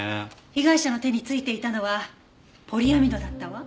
被害者の手についていたのはポリアミドだったわ。